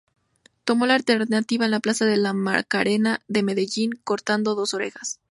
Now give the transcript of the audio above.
Tomó la alternativa en la plaza de la Macarena de Medellín, cortando dos orejas.